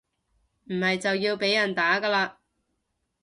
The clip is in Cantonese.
唔係就要被人打㗎喇